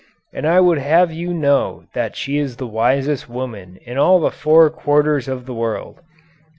And I would have you know that she is the wisest woman in all the four quarters of the world."